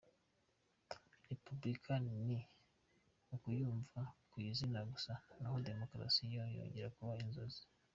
– Repubulika ni ukuyumva ku izina gusa naho Demokarasi yo yongeye kuba inzozi.